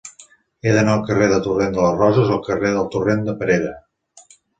He d'anar del carrer del Torrent de les Roses al carrer del Torrent de Perera.